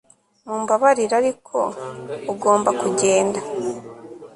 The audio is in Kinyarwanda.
mumbabarire, ariko ugomba kugenda